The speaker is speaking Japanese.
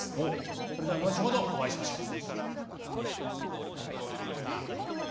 それでは後ほどお会いしましょう。